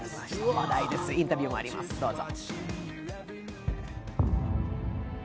話題です、インタビューもあります、どうぞ。